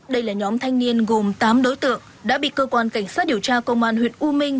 đây là nhóm thanh niên gồm tám đối tượng đã bị cơ quan cảnh sát điều tra công an huyện u minh